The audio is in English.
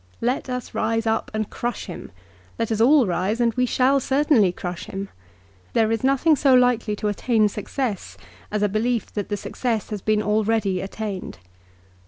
Let us rise up and crush him. Let us all rise and we shall certainly crush him. There is nothing so likely to attain success as a belief that the success has been already attained.